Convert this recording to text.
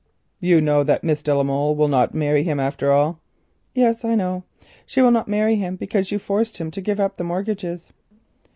"You know that Miss de la Molle will not marry him after all?" "Yes, I know. She will not marry him because you forced him to give up the mortgages."